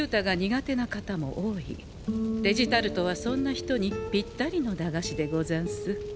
デジタルトはそんな人にぴったりの駄菓子でござんす。